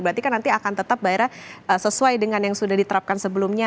berarti kan nanti akan tetap daerah sesuai dengan yang sudah diterapkan sebelumnya